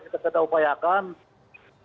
kita upayakan agar ini menjadi evaluasi